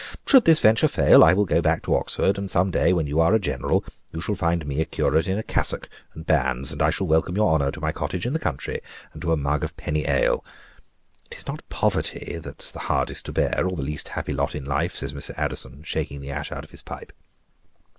Should this venture fail, I will go back to Oxford; and some day, when you are a general, you shall find me a curate in a cassock and bands, and I shall welcome your honor to my cottage in the country, and to a mug of penny ale. 'Tis not poverty that's the hardest to bear, or the least happy lot in life," says Mr. Addison, shaking the ash out of his pipe.